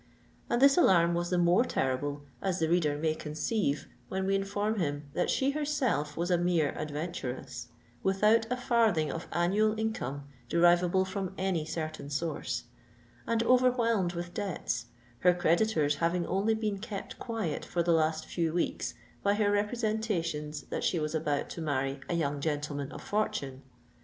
And this alarm was the more terrible, as the reader may conceive when we inform him that she herself was a mere adventuress—without a farthing of annual income derivable from any certain source—and overwhelmed with debts, her creditors having only been kept quiet for the last few weeks by her representations that she was about to marry a young gentleman of fortune.